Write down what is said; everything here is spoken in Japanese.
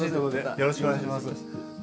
よろしくお願いします。